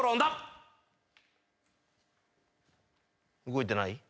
動いてない？